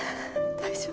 大丈夫。